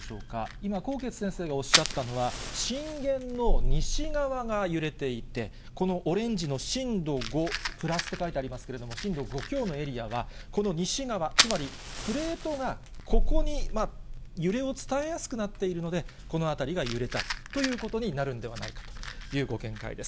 今、纐纈先生がおっしゃったのは、震源の西側が揺れていて、このオレンジの震度５プラスって書いてありますけれども、震度５強のエリアはこの西側、つまりプレートがここに揺れを伝えやすくなっているので、この辺りが揺れたということになるんではないかというご見解です。